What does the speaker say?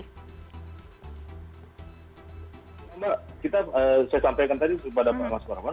saya sampaikan tadi kepada pak mas farhan